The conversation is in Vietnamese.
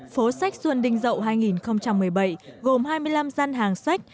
phố sách xuân đinh dậu hai nghìn một mươi bảy gồm hai mươi năm gian hàng sách